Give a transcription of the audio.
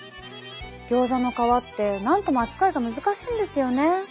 ギョーザの皮ってなんとも扱いが難しいんですよね。